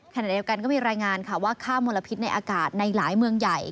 ขณะเดียวกันก็มีรายงานค่ะว่าค่ามลพิษในอากาศในหลายเมืองใหญ่